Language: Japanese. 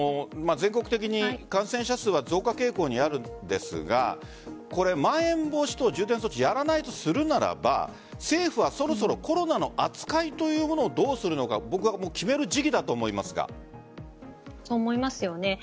全国的に感染者数は増加傾向にあるんですがまん延防止等重点措置をやらないとするならば政府はそろそろコロナの扱いというものをどうするのかそう思いますよね。